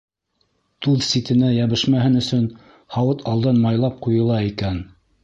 Туҙ ситенә йәбешмәһен өсөн һауыт алдан майлап ҡуйыла икән.